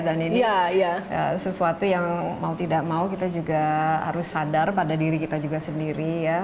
dan ini sesuatu yang mau tidak mau kita juga harus sadar pada diri kita juga sendiri ya